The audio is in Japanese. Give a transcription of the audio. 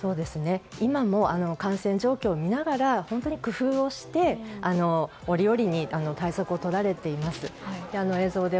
今も感染状況を見ながら本当に工夫をして折々に対策をとられています。